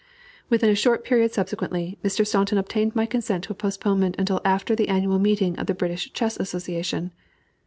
Within a short period subsequently, Mr. Staunton obtained my consent to a postponement until after the annual meeting of the British Chess Association.